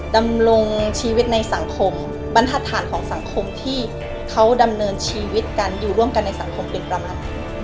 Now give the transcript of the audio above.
ดำรงชีวิตในสังคมบรรทัศนของสังคมที่เขาดำเนินชีวิตกันอยู่ร่วมกันในสังคมเป็นประมาณไหน